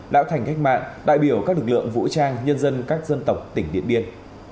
lão thành cách mạng đại biểu các lực lượng vũ trang nhân dân các dân tộc tỉnh điện biên